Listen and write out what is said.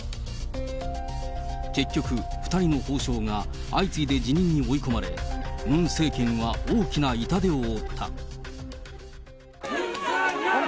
結局、２人の法相が相次いで辞任に追い込まれ、ムン政権は大きな痛手を負った。